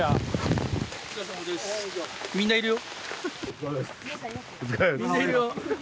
みんないるよ。